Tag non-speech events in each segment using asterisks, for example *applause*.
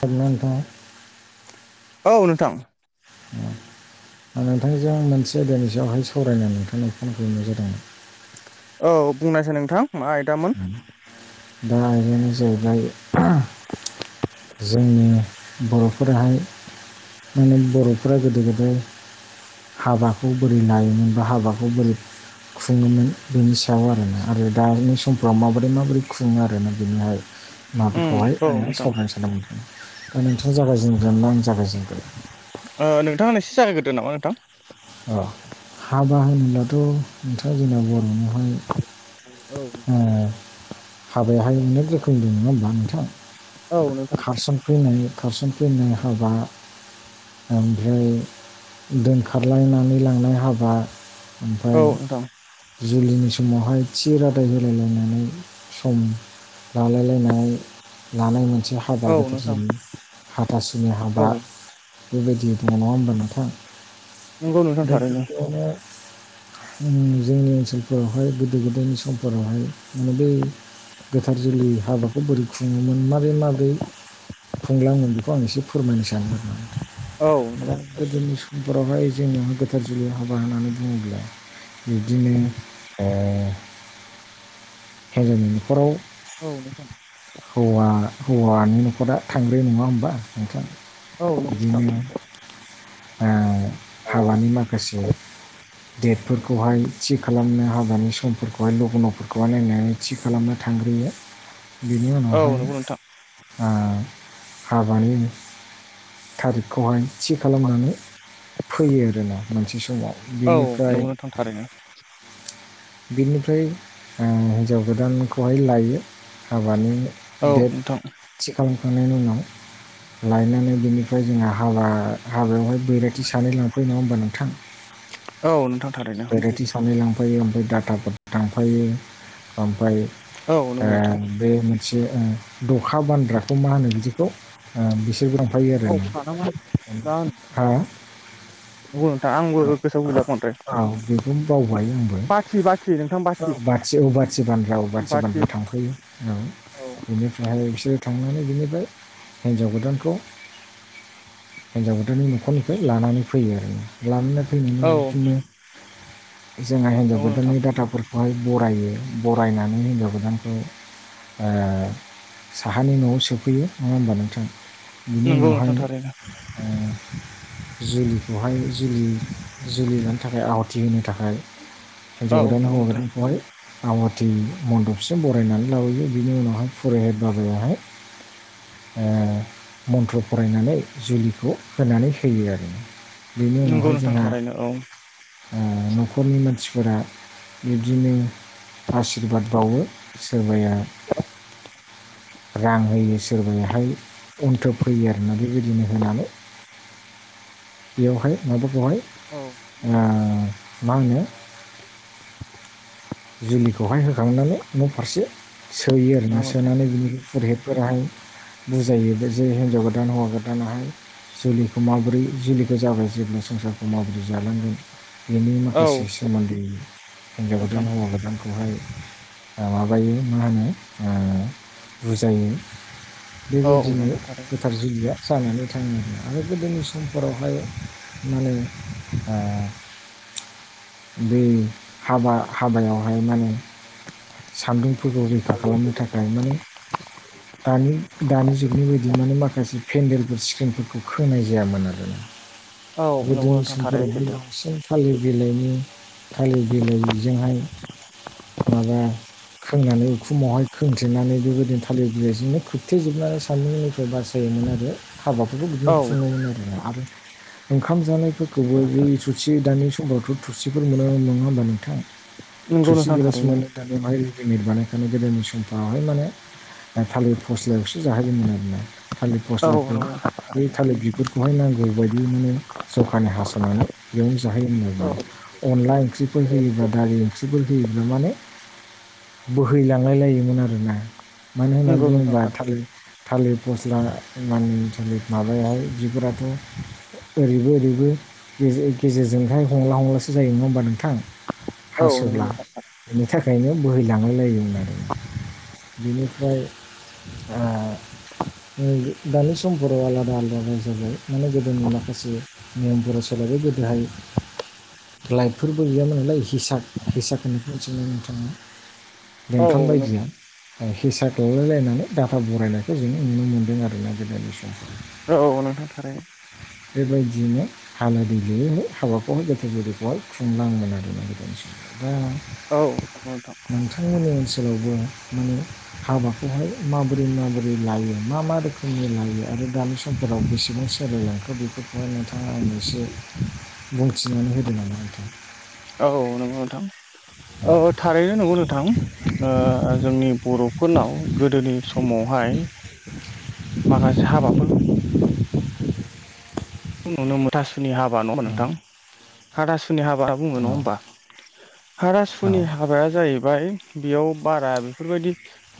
खोनादोंना नोंथाङा? औ नोंथां नोंथांजों मोनसे आयदानि सायावहाय सावरायनानै नोंथांनाव फन खालामनाय जादोंमोन औ बुंनोसै नोंथां मा आयदामोन दा आयदानो जाहैबाय जोंनि बर'फोराहाय माने बर'फ्रा गोदो गोदाय हाबाखौ बोरै लायोमोन बा हाबाखौ बोरै खुङोमोन बेनि सायाव आरोना आरो दानि सम फोराव माबोरै माबोरै खुङो आरोना बेनिहाय उम माबाखौहाय औ ओ नोंथां सावरायनो सानदोंमोन दा नोंथाङा जागायेनग्रोना आं जागायजेनग्रोन? ओ नोंथाङानो एसे जागायग्रदो नामा नोंथां अ हाबा होनोब्लाथ' नोंथाङा जोंना बर'नियावहाय औ ओ हाबायाहाय अनेक रोखोम दं नङा होमब्ला नोंथां? औ नों खारसनफैनाय खारसनफैनाय हाबा ओमफ्राय दोनखारलायनानै लांनाय हाबा ओमफाय औ नोंथां जुलिनि समावहाय थि रादाय होलायलायनानै सम लालायलायनाय लानाय मोनसे हाबा औ नोंथां गोथारजुलि, हाथासिनि हाबा औ बेबायदि दङ नङा होमबा नोंथाय नंगौ नोंथां बेमफ्राय थारैनो गियावनो जोंनि ओनसोलफोरावहाय गोदो गोदायनि समफोरावहाय माने बे गोथार जुलि हाबाखौ बोरै खुङोमोन मारै माबोरै खुंलाङो बेखौ आं एसे फोरमायनो सानदों। औ दा गोदोनि सम फोरावहाय जोंनियावहाय गोथार जुलि हाबा होननानै बुङोब्ला बिदिनो ओ हिनजावनि न'खराव औ नोंथां हौवा हौवानि न'खरा थांग्राय नङा होमबा नोंथां औ नंगौ नोंथां बिदिनो ओ हाबानि माखासे डेटफोरखौहाय थि खालामनो हाबानि समफोरखौहाय लघन'फोरखौहाय नायनानै थि खालामनो थांग्रोयो। बेनि औ उनावहाय नंगौ नोंथां ओ हाबानि थारिख खौहाय थि खालामनानै फैयो आरोना मोनसे समाव औ बेनिफ्राय नंगौ नोंथां थारैनो बिनिफ्राय ओ हिन्जाव गोदानखौहाय लायो हाबानि औ डेट नोंथां थि खालामखांनायनि उनाव लायनानै बेनिफ्राय जोंहा हाबा हाबायावहाय बैरथि सानै लांफैयो नङा होमबा नोंथां औ नोंथां थारैनो भेरेथि सानै लांफायो ओमफ्राय डाटाफोर लांफायो ओमफफ्राय औ नंगौ नोंथां बे मोनसे द अखा बानद्राखौ मा होनो बिदिखौ ओ बिसोरबो लांफायो आरो बावखानांबाय दा हा नंगौ नोंथां आंबो औ गोसोआव गैला बांद्राय औ बेखौनो बावबाय आंबो बाथि बाथि नोंथां बाथि औ बाथि बानग्रा औ बाथि बानग्रा थांफायो औ बेनि बेहाय बिसोरो थांनानै बिनिफ्राय हिन्जाव गोदानखौ हिन्जाव गोोदाननि न'खरनिफ्राय लानानै फैयो आरो ला फैनानै औ बिदिनो जोंहा हिन्जाव नंगौ नोंथां गोदाननि डाटाफोर बेहाय बरायो बरायनानै हिनजाव गोदानखौ साहानि न'आव सोफैयो नङा होमबा नोंथां बिनि नंगौ उनावहाय नोंथां थारैनो उम जखौहाय ज लानो थाखाय आवाथि होनो थाखाय हिनजाव औ गोदान नंगौ हौवा नोंथां गोदानखौहाय आवाथि मन्दपसो बरायनानै लाबोयो बिनि उनावहाय फरायहाय बाबायाहाय मन्थ्र फरायनानै जुलिखौ होनानै होयो आरो बेनि नंगौ उनावहाय नोंथां जोंहा थारैनो औ न'खरनि मानसिफोरा बिब्दिनो आसशिरबाद बावो सोरबाया रां होयो सोरबायाहाय अनथोब फैयो आरोोना बे बेबायदिनो होनानै बेयावहाय माबाखौहाय नंगौ मा होनो जुलिखौहाय होखांनानै न' फारसे सोयो आर ना नोंथां सोनानै बिनि फुरहितफोराहाय बुजायो बे जे हिनजाव गोदान हौवा गोदानाहाय जुलिखौ माबोरै जुलिखौ जाबाय जेब्ला संसारखौ माबोरै जालांगोन बेनि औ माखासे सोमोन्दै हिनजाव नोंथां गोदान हौवा गोदानखौहाय माबायो मा होनो बुजायो औ बेबायदिनो नोंथां थारैनो गोथार जुलिया जानानै थाङोमोन आरो गोदोनि समफोरावहाय माने बे हाबा हाबायावहाय माने सान्दुंफोरखौ रैखा खालामनो थाखाय माने *inaudible* दानि दानि जुगनि बायदि माने माखासे पेन्देलफोर सि्खोनफोरखौ खोनाय जायामोन आरोना औ नंगौ गोदोनि नोंथां थारैनो समफोरावबो सैथो बांसिन थालिर बिलाइनि थालिर बिलाइ हाय माबा खोंनानै उखुमावहाय खोंथेनानै बेबायदिनो थालिर बिलिरजोंनो खोबथेेजोबनानै सानदों बे बासायोमोन आरो हाबाफोरखौ बिदिनो औ खुङोमोन आरो आरो ओंखाम जानायफोरखौबो बै थुरसि दानि समावथ' थोरसिफोर मोना नङा होमबा नोंथां नंगौ थोरसि नोंथां गलास थारैनो मोनो दानि बेहाय रेडिमेड बानायखानाय गोदोनि समफ्रावहाय माने थालिर फस्लायावसो जाहोोमोन आरोना थालिर औ फस्लाखौ नंगौ नोंथां बे थारैनो थालिर बेफोरखौहाय नांगौ बायदि माने जखानि हास'नानै बेयावनो जाहै होन औ आरो अनला ओंख्रिफोर होयोबा दालि ओंख्रिफोर होयोब्ला माने बोहैलांलाय लायोमोन आरोना मानो होनना नंगौ नोंथां बुङोब्ला थारैनो थालिर थालिर फस्ला मानि थालिर माबायाहाय बिगुराथ' ओरैबो ओरैबो गेजेरजोंहाय हमला हमलासो जायो नङा होमबा नोंथां औ नंगौ हास'ब्ला नोंथां बेनि थाखायनो बोहैलां लायोमोन आरो बिनिफ्राय दानि समफोराव आलादा आलादा जाबाय माने गोदोनि माखासे ज बर' सल बे गोदोहाय लाइटफोरबो गैयामोन नालाय हिसाब फैसाखोननिफ्राय जनो नोंथाङा औ बेंटन बायदिया हिसाब खालामलायलायनानै डाटा बरायनायखौ जोङो नुनो मोन्दों आरोना गोदोनि समाव औ औ नोंथां थारै बेबायदियैनो हालादै गैयैहाय हाबाखौहाय गोथो गदैखौहाय खुंलङोन आरो ना गोदसा औ नोंथां बिथांमोननि ओनसोलावबो माने हाबाखौहाय माबोरै माबोरै लायो मा मा रोखोमनि लायो आरो दानि समफोराव बेसेबां सोलायलांखो बेफोरखौहाय नोंथाङा आंनो एसे बुंथिनानै होदों नामा नोंथां औ नंगौ नोंथां औ थारैनो नंगौ नोंथां जोंनि बर' फोरनाव गोदोनि समावहाय माखासे हाबा नुनो मुथासुनि हाबा नङा नोंथां हाथासुनि हाबा बुङो औ नङा होमबा औ हाथासुनि हाबाया जाहैबाय बेयाव बारा बेफोरबायदि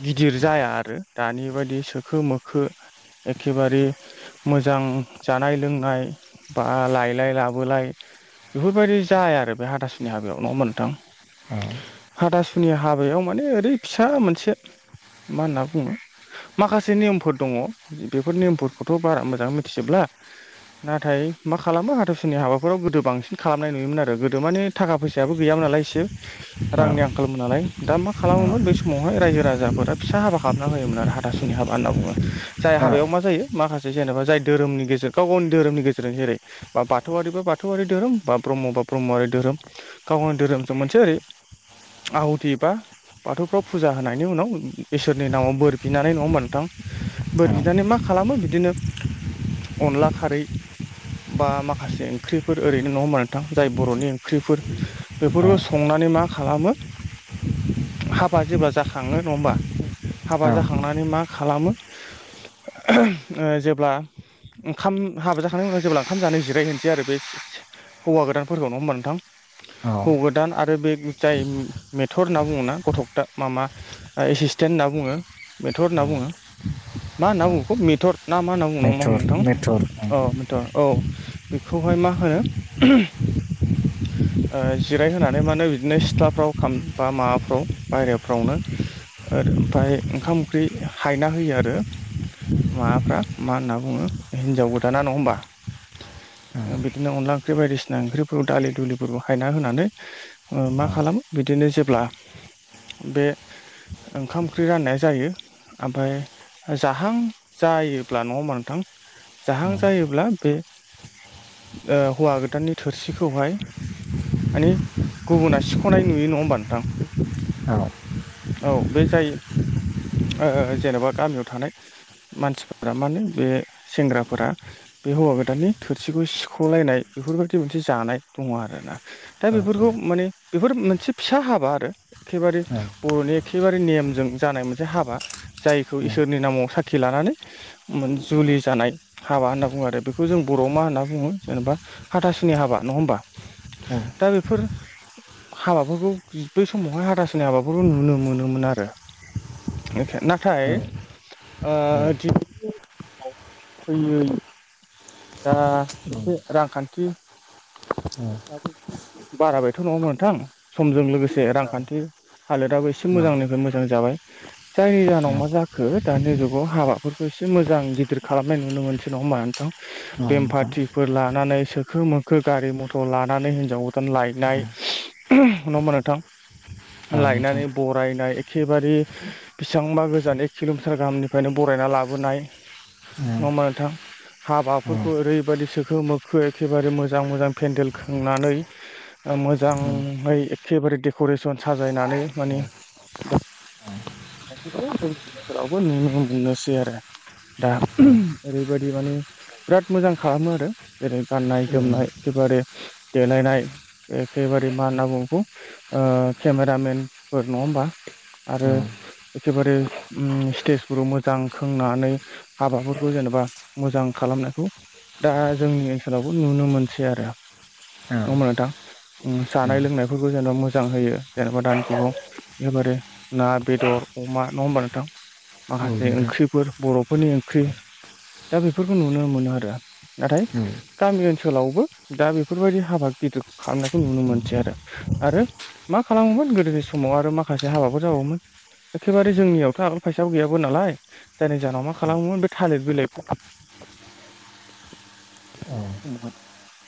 गिदिर जाया आरो दानि बायदि सोखो मोखो एखेबारे मोजां जानाय लों नाय बा लायलाय लाबोलाय बेफोरबायदि जाया आरो बे हादासनि हाबायाव न'ङा होमबाथ नोंथां। औ हाथासुनि हाबायाव माने ओरै फिसा मोनसे मा होनना बुङो माखासे नियमफोर दङ बेफोर नियमफोरखौथ' बारा मोजांयै मिथिजोब्ला नाथाय मा खालामो हाथासुनि हाबाफोराव गोदो बांसिन खालामनाय नुयोमोन आरो गोदो मानि थाखा फैसायाबो गैयामोनालाय इसे औ रांनि आं खालमोन नालाय दा मा खालामोमोन बे समावहाय रायजो राजाफोरा फिसा हाबा खालामाबना होयोमोन आरो हाथासुनि हाबा होनना बुङो। जाय हाबायाव मा जायो माखासे जेनेबा जाय धोरोमनि गेजेर गाव गावनि धोरोमनि गेजेरजों जेरै बा बाथौरि बा बाथौआरि धोरोम बा ब्रह्म बा ब्रह्मआरि धोरोम गाव गावनि धोरोमजों मोनसे ओरै आहुथि बा बाथौफ्राव फुजा होनायनि उनाव इसोरनि नामाव बोर बिनानै नङा होमबा नोंथां। बोर बिनानै मा खालामो बिदिनो अनला खारै बा माखासे ओंख्रिफोर ओरैनो नङा होमबा नोंथां जाय बर'नि ओंख्रिफोर बेफोरखौ संनानै मा खालामो हाबा जेब्ला जाखाङो नङा होमबा हाबा औ जाखांनानै मा खालामो ओ जेब्ला ओंखाम हाबा जाखांनायनि उनाव जेब्ला ओंखाम जानो जिरायहोनसै आरो बे हौवा गोदानफोरखौ नङा होमबा नोंथां। औ हौ गोदान आरो बे जाय मेथर होनना बुङ ना गथ'कथा मामा एसिसटेन्ट होनना बुङो मेथर होनना बुङो मा होनना बुङोखौ मेथर ना मा होनना बुंनांगौ नोंथां औ औ बेखौहाय मा होनो जिरायहोनानै माने बिदिनो सिथ्लाफ्राव बा माबाफ्राव बायेराफ्रावनो ओमफफ्राय ओंखाम ओंख्रि हायना होयो आरो माबाफ्रा मा होनना बुङो हिनजाव गोदाना नङा होमबा बिदिनो अनला ओंख्रि बायदिसिना ओंख्रिफोरखौ दालि दुलिफोरखौ हायना होनानै मा औ खालामो बिदिनो जेब्ला बे ओंखाम ओंख्रि राननाया जायो। ओमफ्राय जाहां जायोब्ला नङा होमबा नोंथां। जाहां जायोब्ला बे ओ हौवा गोदाननि थोरसिखौहाय माने गुबुना सिख'नाय नुयो नङा होमबा नोंथां। औ बे जायो ओ जेन'बा गामियाव थानाय मानसिफोरा मा होनो बे सेंग्रा फोर बे हौवा गोदाननि थोरसिखौ सिख'लायनाय बेफोरबायदि मोनसे जानाय दङ आरो ना दा बेफोरखौ माने बेफोर मोनसे फिसा हाबा आरो। एखेबारे बर'नि एखेबारे नेमजों जानाय मोनसे हाबा। जायखौ इसोरनि नामाव साखि लानानै जुलि जानाय हाबा होनना बुङो आरो बेखौ जों बर'आव मा होनना बुङो जेनेबा हाथासुनि हाबा नङा होमबा। दा बेफोर हाबाफोरखौ बै समावहाय हाथासनाय हाबाफोरखौ नुनो मोनोमोन आरो। नाथाय ओ दि फैयै दा एसे रांखान्थि औ बाराबायथ' नङा नोंथां समजों लोगोसे रांखान्थि हालोदाबो एसे एसे मोजांनिफ्राय मोजां जाबाय। *unintelligible* जायनि जाहोनाव मा जाखो दानि जुगाव हाबाफोरखौ एसे मोजां गिदिर खालामनाय नुनो मोनसै नङा होमबा नोंथां। नोंथां औ बेमफाथिफोर लानानै सोखो मोखो। गारि मथर लानानै हिनजाव गोदान लायनाय नङा होमबा नोंथां। औ लायनानै नोंथां औ बर फायनाय एखेबारे बेसेबांबा गोजान एक किल'मिटार गाहामनिफ्रायनो बरायना लाबोनाय औ नंङा होमबा नोंथां। हाबाफोरखौ ओरैबायदि सोखो मोखो एखेबारे मोजां मोजां पेन्देल खोंनानै मोजाङै एखेबारे डेक'रेसन साजायनानै औ माने औ। बावबो नुनो मोननोसै आरो। दा औ ओरैबायदि माने बिराद मोजां खालामो आरो जेरै औ गाननाय जोमनाय एखेबारे देलायनाय एखेबारे मा होनना बुङो बेखौ केमेरामेनफोर नङा होमबा *unintelligible* आरो एखेबारे स्टेजफोराव मोजां खोंनानै हाबाफोरखौ जेनेबा मोजां। खालामनायखौ दा जोंनि ओनसोलावबो नुनो मोनसै आरो। औ नङा होमबा नोंथां जानाय औ लोंनायफोरखौ जेन'बा मोजां होयो जेनेबा दानि जुगाव एबारे ना बेदर अमा नङा होमबा नोंथां। माखासे नोंथां ओंख्रिफोर बर'फोरनि ओंख्रि दा बेफोरखौ नुनो मोनो आरो नाथाय। औ गामि ओनसोलावबो दा बेफोरबायदि हाबा गिदिरखौ खालामनायखौ नुनो मोनसै आरो। आरो मा खालामोमोन गोदोनि समाव आरो माखासे हाबाफोर जाबावोमोन। एखेबारे जोंनियावथ' आगोल फैसाबो गैयाबो नालाय जायनि जाहोनाव मा खालामोमोन बे थालिर बिलाइखौ औ समावहाय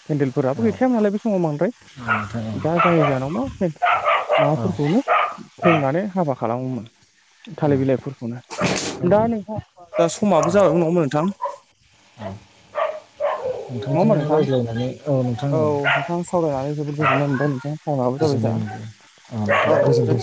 केन्देलफोराबो गैखायामोननालाय बै समाव बांद्राय नोंथां औ दा जाय जानावनो औ माबाफोरखौनो सोंनानै हाबा खालामोमोन। थालिर बिलाइफोरखौनो दा नोंथां दा समाबो जाबाय नङा होनबा नोंथां। नङा नोंथांजों रायज्लायनानै औ नोंथां औ। थां आं सावरायनानै जोबोद गोजोननाय मोनबाय नों टाइमआबो गोजोननाय जाबाय जों मोनबाय औ दे।